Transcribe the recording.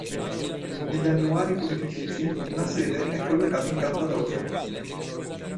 Negli Annuari Pontifici la sede è collocata in Cappadocia.